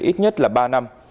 ít nhất là ba năm